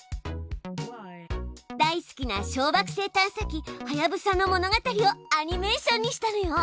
大好きな小わくせい探査機はやぶさの物語をアニメーションにしたのよ。